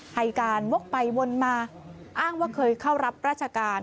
ให้การวกไปวนมาอ้างว่าเคยเข้ารับราชการ